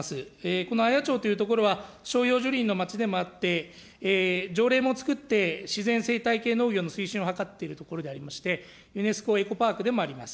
このあや町という所は、の町でもありまして、条例も作って、自然生態系農業の推進を図っているところでありまして、ユネスコエコパークでもあります。